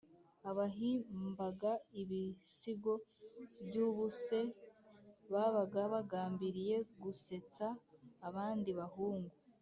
abahimbaga ibisigo by’ubuse, babaga bagambiriye gusetsa abandi bahungu